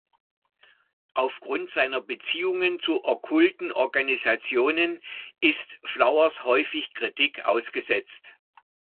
Aufgrund seiner Beziehungen zu okkulten Organisationen ist Flowers häufig Kritik ausgesetzt.